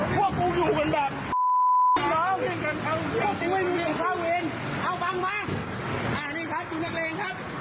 ทุกวิน